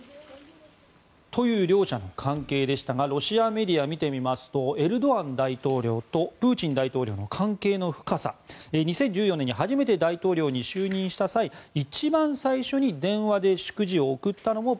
という両者の関係でしたがロシアメディアを見てみますとエルドアン大統領とプーチン大統領の関係の深さ２０１４年に初めて大統領に就任した際一番最初に電話で祝辞を送ったのも